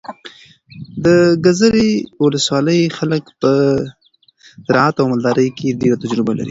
د ګذرې ولسوالۍ خلک په زراعت او مالدارۍ کې ډېره تجربه لري.